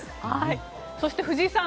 そして藤井さん